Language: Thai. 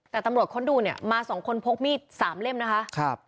แต่ตำรวจค้นดูเนี่ยมา๒คนพกมีด๓เล่มนะคะ